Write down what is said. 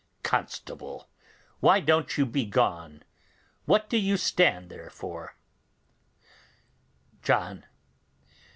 Constable. Why don't you be gone? What do you stay there for? John.